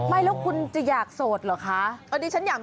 ไม่แล้วคุณจะอยากโสดเหรอคะ